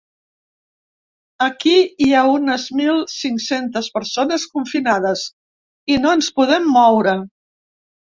Aquí hi ha unes mil cinc-centes persones confinades i no ens podem moure.